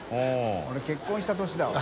結婚した年だわ。